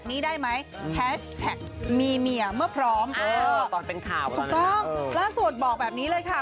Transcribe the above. นี้ได้ไหมแฮชแท็กมีเมียเมื่อพร้อมเออตอนเป็นข่าวถูกต้องล่าสุดบอกแบบนี้เลยค่ะ